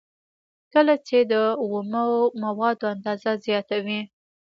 کله چې د اومو موادو اندازه زیاته وي